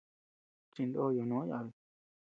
Chindo ñonó yabi.